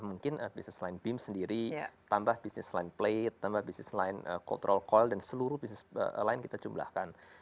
mungkin business line bim sendiri tambah business line plate tambah business line cultural coil dan seluruh business line kita jumlahkan